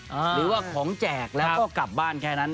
หรือว่าของแจกแล้วก็กลับบ้านแค่นั้น